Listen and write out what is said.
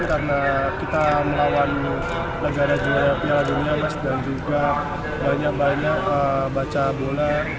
karena kita melawan negara negara dunia dan juga banyak banyak baca bola